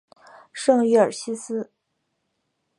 圣于尔西斯。